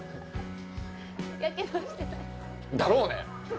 だろうね。